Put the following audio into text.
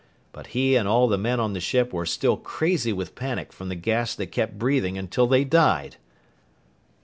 But he and all the men on the ship were still crazy with panic from the gas they kept breathing until they died!"